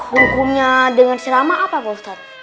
hukumnya dengar cerama apa pak ustadz